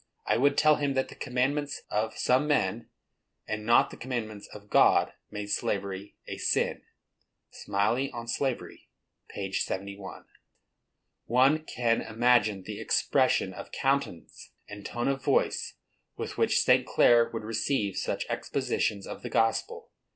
I would tell him that the commandments of some men, and not the commandments of God, made slavery a sin.—Smylie on Slavery, p. 71. One can imagine the expression of countenance and tone of voice with which St. Clare would receive such expositions of the gospel.